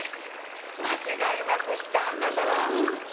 間違いなくしたんだからぁ。